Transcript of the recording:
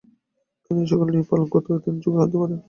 যিনি এই-সকল নিয়ম পালন করেন, তিনিই যোগী হইতে পারেন।